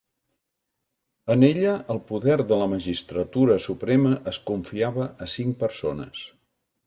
En ella el poder de la magistratura suprema es confiava a cinc persones.